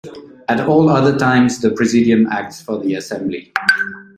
At all other times, the Presidium acts for the Assembly.